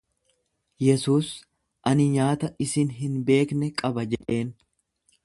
Yesuus, Ani nyaata isin hin beekne qaba jedheen.